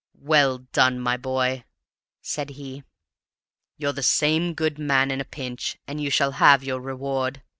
"Well done, my boy!" said he. "You're the same good man in a pinch, and you shall have your reward.